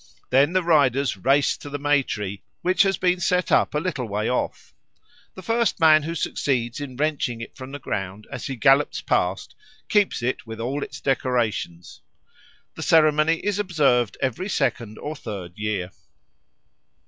Then the riders race to the May tree, which has been set up a little way off. The first man who succeeds in wrenching it from the ground as he gallops past keeps it with all its decorations. The ceremony is observed every second or third year.